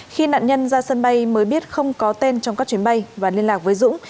khi nạn nhân ra sân bay mới biết không có tên trong các chuyến bay và liên lạc với dũng